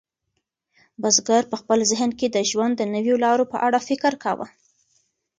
بزګر په خپل ذهن کې د ژوند د نویو لارو په اړه فکر کاوه.